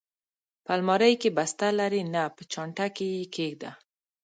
په المارۍ کې، بسته لرې؟ نه، په چانټه کې یې کېږده.